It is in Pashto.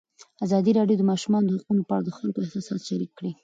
ازادي راډیو د د ماشومانو حقونه په اړه د خلکو احساسات شریک کړي.